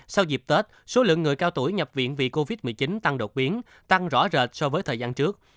sau dịp tết số lượng người cao tuổi nhập viện vì covid một mươi chín tăng đột biến tăng rõ rệt so với thời gian trước